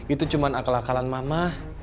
itu cuma akal akalan mama